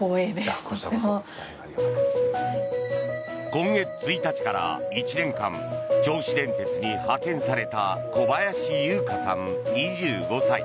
今月１日から１年間銚子電鉄に派遣された古林夕佳さん、２５歳。